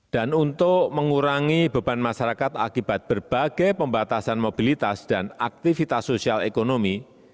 dan untuk mengurangi beban masyarakat akibat berbagai pembatasan mobilitas dan aktivitas sosial ekonomi